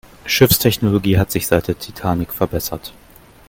Schiffstechnologie hat sich seit der Titanic verbessert.